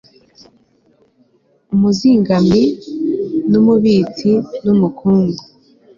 umuzigamyi; n'umubitsi n'umukungu